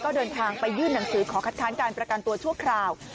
ก็เดินทางไปยื่นหนังสือขอคัดค้านการประกันตัวชั่วคราว